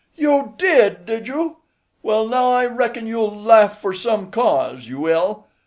"You did, did you? Well, now, I reckon you'll laugh for some cause, you will.